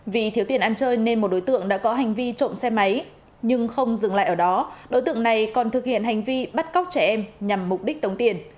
vì thiếu tiền ăn chơi nên một đối tượng đã có hành vi trộm xe máy nhưng không dừng lại ở đó đối tượng này còn thực hiện hành vi bắt cóc trẻ em nhằm mục đích tống tiền